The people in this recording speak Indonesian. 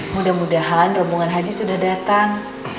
mudah mudahan rombongan haji sudah datang